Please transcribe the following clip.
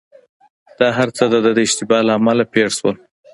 دا هرڅه دده د اشتباه له امله پېښ شول.